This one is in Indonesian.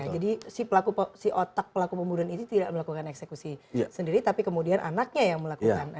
jadi si otak pelaku pembunuhan ini tidak melakukan eksekusi sendiri tapi kemudian anaknya yang melakukan